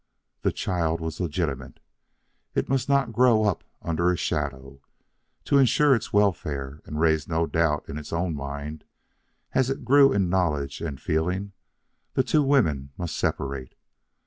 The child was legitimate. It must not grow up under a shadow. To insure its welfare and raise no doubt in its own mind as it grew in knowledge and feeling, the two women must separate.